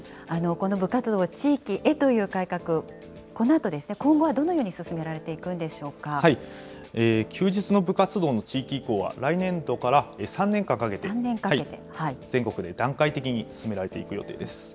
この部活動、地域へという改革、このあと、今後はどのように進められていくん休日の部活動の地域移行は来年度から３年かけて、全国で段階的に進められていく予定です。